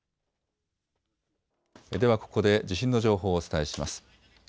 ではここで地震の情報をお伝えします。